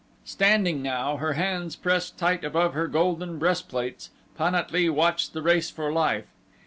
Standing now, her hands pressed tight above her golden breastplates, Pan at lee watched the race for life.